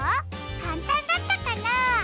かんたんだったかな？